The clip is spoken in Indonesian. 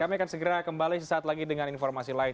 kami akan segera kembali sesaat lagi dengan informasi lain